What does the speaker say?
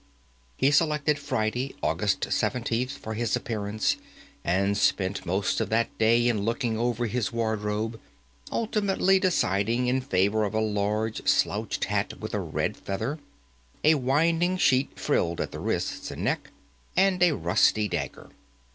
He selected Friday, August 17th, for his appearance, and spent most of that day in looking over his wardrobe, ultimately deciding in favour of a large slouched hat with a red feather, a winding sheet frilled at the wrists and neck, and a rusty dagger.